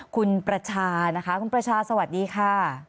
คุณประชานะคะคุณประชาสวัสดีค่ะ